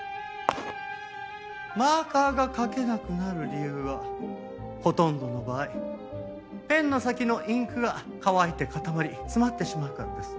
マーカーが書けなくなる理由はほとんどの場合ペンの先のインクが乾いて固まり詰まってしまうからです。